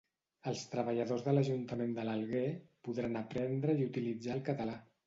Els treballadors de l'Ajuntament de l'Alguer podran aprendre i utilitzar el català